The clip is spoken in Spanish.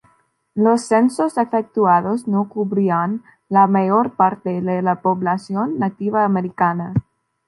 Los censos efectuados no cubrían la mayor parte de la población nativa americana.